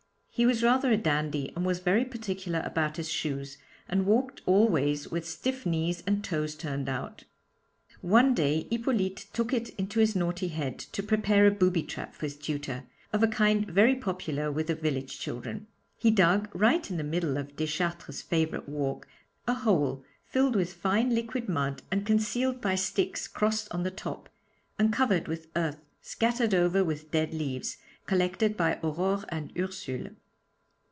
He was rather a dandy and was very particular about his shoes, and walked always with stiff knees and toes turned out. One day Hippolyte took it into his naughty head to prepare a 'booby trap' for his tutor, of a kind very popular with the village children. He dug, right in the middle of Deschartres' favourite walk, a hole filled with fine liquid mud and concealed by sticks crossed on the top, and covered with earth scattered over with dead leaves, collected by Aurore and Ursule.